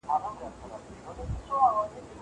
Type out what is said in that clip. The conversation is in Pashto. د دوی څخه مخکي نورو هم د خپلو رسولانو تکذيب کړی وو.